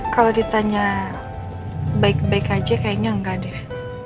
kalo ditanya baik baik aja kayaknya enggak deh